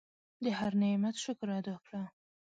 د هر نعمت شکر ادا کړه.